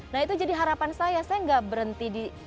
nah itu jadi harapan saya saya gak berhenti